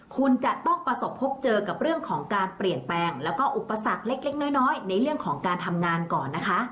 คุณจะต้องประสบพบเจอกับเรื่องของการเปลี่ยนแปลงแล้วก็อุปสรรคเล็กน้อยในเรื่องของการทำงานก่อนนะคะ